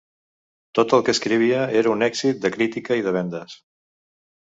Tot el que escrivia era un èxit de crítica i de vendes.